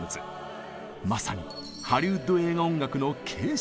まさにハリウッド映画音楽の継承者だったのです。